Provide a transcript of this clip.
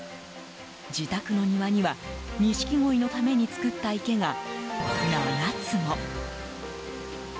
自宅の庭にはニシキゴイのために造った池が７つも。